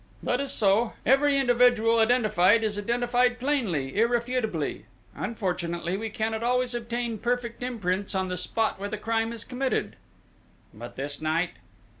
"That is so. Every individual identified, is identified plainly, irrefutably. Unfortunately, we cannot always obtain perfect imprints on the spot where the crime is committed." "But this night?"